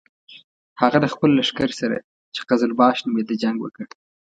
هغه له خپل لښکر سره چې قزلباش نومېده جنګ وکړ.